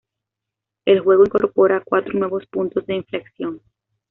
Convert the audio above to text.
El juego incorpora cuatro nuevos puntos de inflexión.